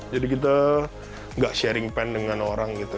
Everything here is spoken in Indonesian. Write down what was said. jadi kita nggak sharing pen dengan orang gitu